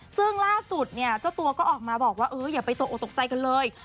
ซึ่งล่าสุดเจ้าตัวก็ออกมาบอกว่าอย่าไปโต๊ะโอดตกใจกันเลย